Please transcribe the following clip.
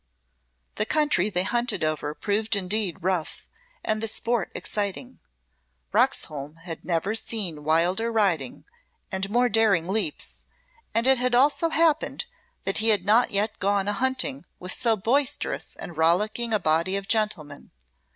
The country they hunted over proved indeed rough, and the sport exciting. Roxholm had never seen wilder riding and more daring leaps, and it had also happened that he had not yet gone a hunting with so boisterous and rollicking a body of gentlemen.